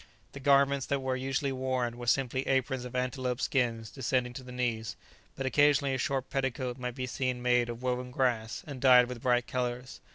The garments that were usually worn were simply aprons of antelope skins descending to the knees, but occasionally a short petticoat might be seen made of woven grass and dyed with bright colours.